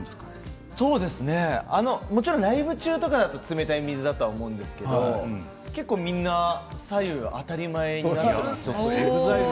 もちろんライブ中だと冷たい水だと思うんですけど結構メンバーみんな白湯を当たり前のように飲んでいますね。